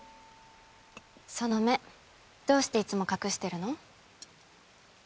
その目どうしていつも隠してるの？